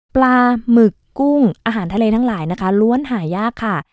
ปลาหมึกกุ้งอาหารทะเลทั้งหลายนะคะล้วนหายากค่ะ